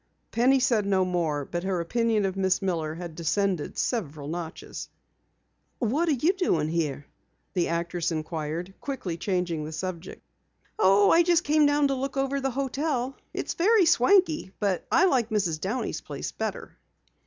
Penny said no more but her opinion of Miss Miller had descended several notches. "What are you doing here?" the actress inquired, quickly changing the subject. "Oh, I just came down to look over the hotel. It's very swanky, but I like Mrs. Downey's place better."